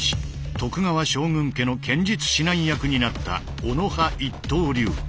徳川将軍家の剣術指南役になった小野派一刀流。